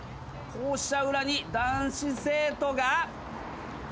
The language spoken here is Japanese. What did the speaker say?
校舎裏に男子生徒が。